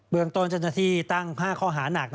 เบืองตนจันทีตั้ง๕ข้อหานัก